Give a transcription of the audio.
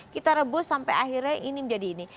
kita rebus sampai akhirnya ini menjadi ini